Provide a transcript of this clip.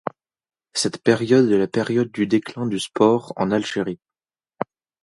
Cette période est la période du déclin du sport en Algérie.